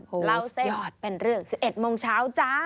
เล่าเส้นเป็นเรื่อง๑๑โมงเช้าจ้า